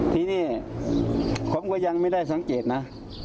ทีนี้ผมก็ยังไม่ได้สังเกตนะ